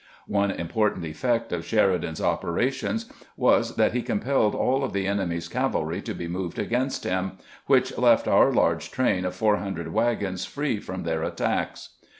One important effect of Sheridan's operations was that he compelled aU of the enemy's cavalry to be moved against him, which left our large train of four thousand wagons free from their attacks.